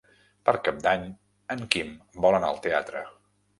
Per Cap d'Any en Quim vol anar al teatre.